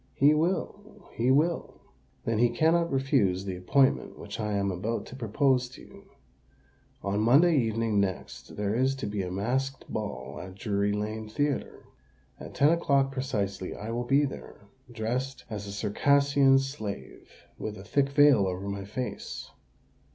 "He will—he will." "Then he cannot refuse the appointment which I am about to propose to you. On Monday evening next there is to be a masked ball at Drury Lane Theatre. At ten o'clock precisely I will be there, dressed as a Circassian slave, with a thick veil over my face.